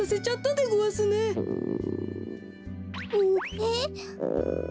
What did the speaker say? えっ？